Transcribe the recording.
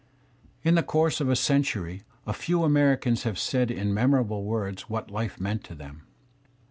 In the course of a century a few Americans have said in memorable words what life meant to them.